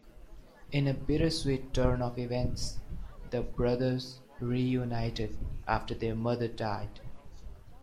In a bittersweet turn of events, the brothers reunited after their mother died.